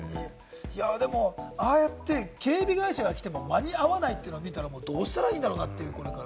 でも、ああやって警備会社が来ても間に合わないっていうのを見たら、どうしたらいいんだろうなって。